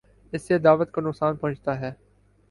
اس سے دعوت کو نقصان پہنچتا ہے۔